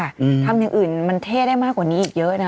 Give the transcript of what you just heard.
อืมทำอย่างอื่นมันเท่ได้มากกว่านี้อีกเยอะนะ